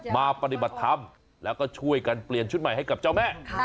มาปฏิบัติธรรมแล้วก็ช่วยกันเปลี่ยนชุดใหม่ให้กับเจ้าแม่